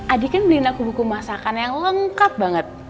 adi kan beliin aku buku masakan yang lengkap banget